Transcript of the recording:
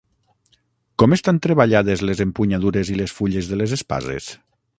Com estan treballades les empunyadures i les fulles de les espases?